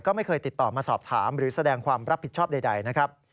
ก็ไม่เคยติดต่อมาสอบถามหรือแสดงความรับผิดชอบใดนะครับ